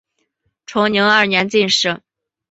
崇宁二年进士。